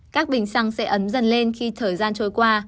các bình xăng sẽ ấm dần lên khi thời gian trôi qua